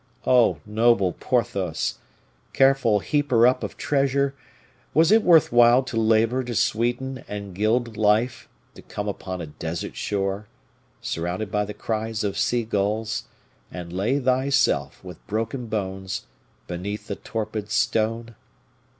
Oh, noble Porthos! careful heaper up of treasure, was it worth while to labor to sweeten and gild life, to come upon a desert shore, surrounded by the cries of seagulls, and lay thyself, with broken bones, beneath a torpid stone?